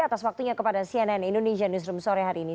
atas waktunya kepada cnn indonesia newsroom sore hari ini